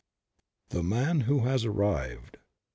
17 THE MAN WHO HAS ARRIVED.